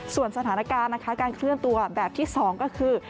ส่วนสถานการณ์นะคะการเคลื่อนตัวแบบที่๒ก็คือ